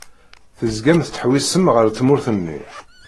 Tezgam tettḥewwisem ar tmurt-nni.